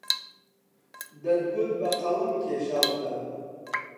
دەتگوت بە قەڵەم کێشاوتە